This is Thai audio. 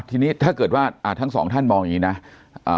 ทีนี้ถ้าเกิดว่าอ่าทั้งสองท่านมองอย่างงี้นะอ่า